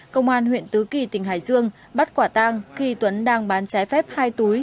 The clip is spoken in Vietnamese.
công an huyện tứ kỳ tỉnh hải dương bắt quả tang khi tuấn đang bán trái phép hai túi